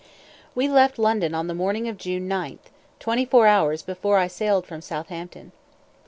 We left London on the morning of June 9, twenty four hours before I sailed from Southampton.